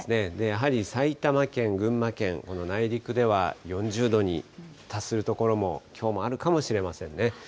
やはり埼玉県、群馬県、この内陸では４０度に達する所もきょうもあるかもしれませんね。